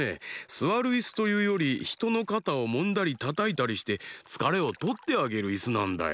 すわるイスというよりひとのかたをもんだりたたいたりしてつかれをとってあげるイスなんだよ。